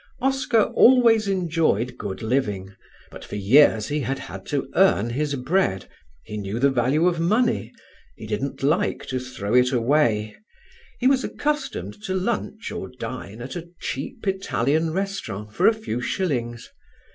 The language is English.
Oscar always enjoyed good living; but for years he had had to earn his bread: he knew the value of money; he didn't like to throw it away; he was accustomed to lunch or dine at a cheap Italian restaurant for a few shillings.